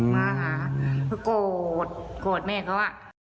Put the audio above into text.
มาหากลัวโกรธแม่เค้าอะ